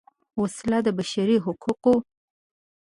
وسله د بشري حقونو خلاف ده